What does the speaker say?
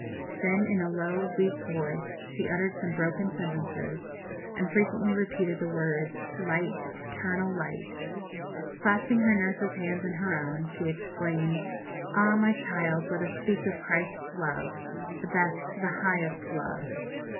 Then in a low weak voice she uttered some broken sentences, and frequently repeated the words, "Light, eternal light!" Clasping her nurse's hands in her own, she exclaimed, "Ah, my child, let us speak of Christ's love, the best, the highest love!"